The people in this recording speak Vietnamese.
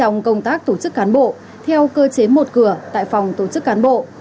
trong công tác tổ chức cán bộ theo cơ chế một cửa tại phòng tổ chức cán bộ